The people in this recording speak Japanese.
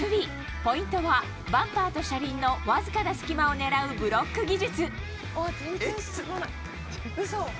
ポイントはバンパーと車輪のわずかな隙間をねらうブロック技術。